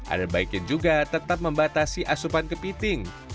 ada baiknya juga tetap membatasi asupan kepiting